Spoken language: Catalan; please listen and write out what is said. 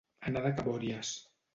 Anar de cabòries.